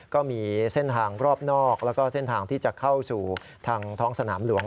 ก็มีเส้นทางรอบนอกแล้วก็เส้นทางที่จะเข้าสู่ทางท้องสนามหลวง